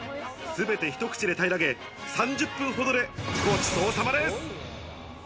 全てひと口で平らげ、３０分ほどでごちそうさまです。